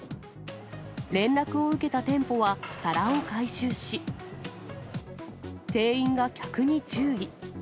連絡を受けた店舗は皿を回収し、店員が客に注意。